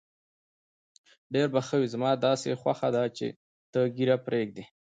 ډېر به ښه وي، زما داسې خوښه ده چې ته ږیره پرېږدې.